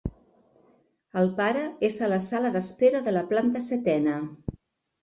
El pare és a la sala d'espera de la planta setena.